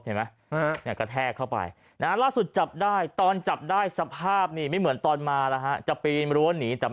เนี่ยกระแทกเข้าไปนะล่าสุดจับได้ตอนจับได้สภาพนี่ไม่เหมือนตอนมาแล้ว